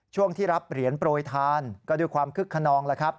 ช่วงที่รับเหรียญโปรยทานก็ด้วยความคึกขนองแล้วครับ